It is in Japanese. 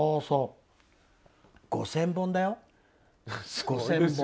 ５０００本だよ！